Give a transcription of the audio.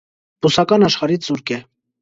Բուսական աշխարհից զուրկ է։